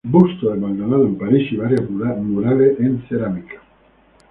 Busto de Maldonado en París y varios murales en cerámica.